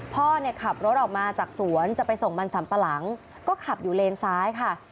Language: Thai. พ่อเนี่ยขับรถออกมาจากสวนจะไปส่งมันสัมปะหลังก็ขับอยู่เลนซ้ายค่ะ